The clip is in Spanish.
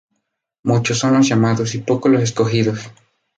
Muchos son los llamados y pocos los escogidos